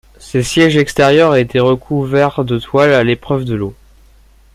Ces sièges extérieurs étaient recouverts de toile à l'épreuve de l'eau.